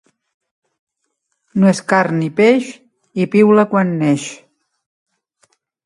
No és carn ni peix i piula quan neix.